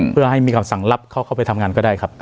เพื่อให้มีคำสั่งรับเขาเข้าไปทำงานก็ได้ครับ